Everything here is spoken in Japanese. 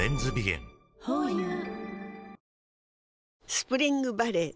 スプリングバレー